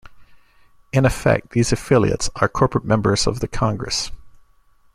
In effect, these affiliates are the corporate members of the congress.